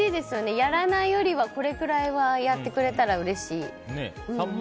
やらないよりは、これくらいはやってくれたらうれしい。